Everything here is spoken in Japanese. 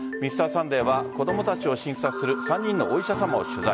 「Ｍｒ．サンデー」は子供たちを診察する３人のお医者さまを取材。